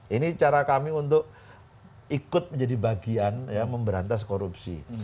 ini cara kami untuk ikut menjadi bagian memberantas korupsi